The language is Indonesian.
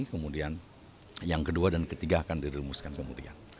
kemudian yang kedua dan ketiga akan dirumuskan kemudian